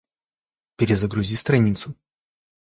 Перезагрузи страницу